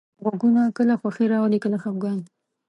غږونه کله خوښي راولي، کله خپګان.